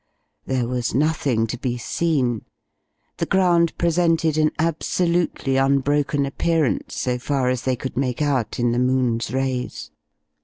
There was nothing to be seen. The ground presented an absolutely unbroken appearance, so far as they could make out in the moon's rays.